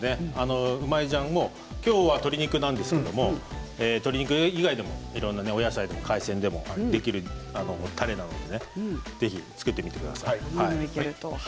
うまい醤今日は鶏肉ですけれど鶏肉以外でもいろんなお野菜、海鮮でも使えるたれなのでぜひ作ってみてください。